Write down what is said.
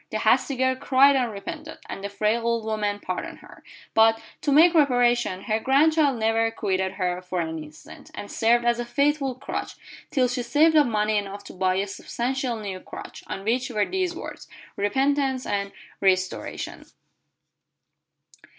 The hasty girl cried and repented, and the frail old woman pardoned her; but, to make reparation, her grandchild never quitted her for an instant, and served as a faithful crutch, till she saved up money enough to buy a substantial new crutch, on which were these words, "Repentance and restoration."